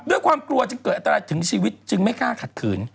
ด้วยความกลัวจึงเกิดอันตรายถึงชีวิตจึงไม่กล้าขัดขืน